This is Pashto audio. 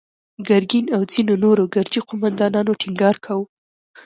ګرګين او ځينو نورو ګرجي قوماندانانو ټينګار کاوه.